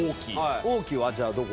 王騎はじゃあどこ？